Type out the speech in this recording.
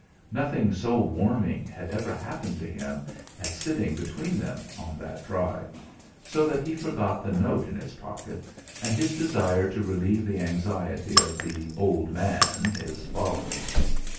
Nothing so warming had ever happened to him as sitting between them on that drive, so that he forgot the note in his pocket, and his desire to relieve the anxiety of the "old man," his father.